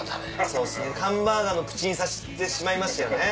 そうですねハンバーガーの口にさしてしまいましたよね。